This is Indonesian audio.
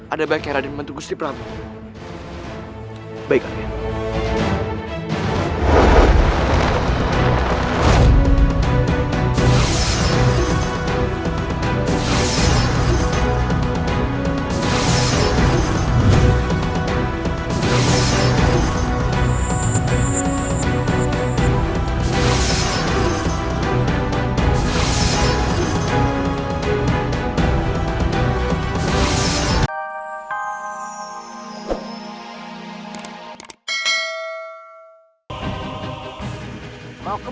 ada baiknya raden menunggu steve rambut